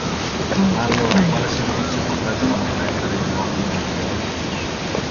Ma allora quale servizio potrebbero mai rendere gli uomini agli dèi?